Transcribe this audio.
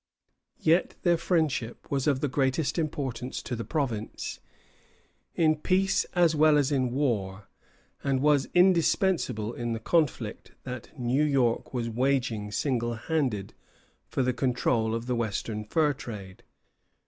Yet their friendship was of the greatest importance to the province, in peace as well as in war, and was indispensable in the conflict that New York was waging single handed for the control of the western fur trade.